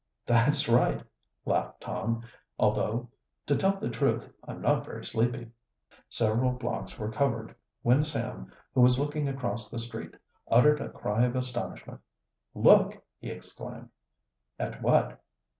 "That's right," laughed Tom. "Although, to tell the truth, I'm not very sleepy." Several blocks were covered when Sam, who was looking across the street, uttered a cry of astonishment. "Look!" he exclaimed. "At what?"